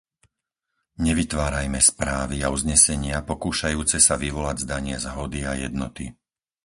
Nevytvárajme správy a uznesenia pokúšajúce sa vyvolať zdanie zhody a jednoty.